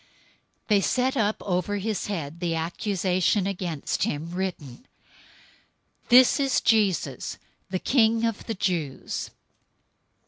027:037 They set up over his head the accusation against him written, "THIS IS JESUS, THE KING OF THE JEWS."